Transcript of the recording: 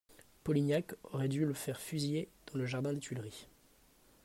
Polignac aurait dû le faire fusiller dans le jardin des Tuileries!